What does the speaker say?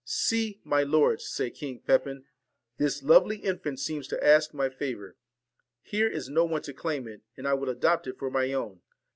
'See, my lords,' said King Pepin, ' this lovely infant seems to ask my favour. Here is no one to claim it, and I will adopt it for my own.'